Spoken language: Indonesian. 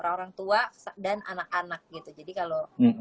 orang tua dan anak anak gitu jadi kalau